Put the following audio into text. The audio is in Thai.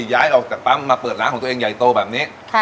ย้ายออกจากปั๊มมาเปิดร้านของตัวเองใหญ่โตแบบนี้